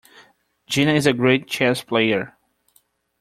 Gina is a great chess player.